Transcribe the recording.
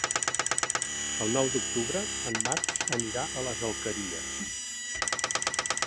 El nou d'octubre en Max anirà a les Alqueries.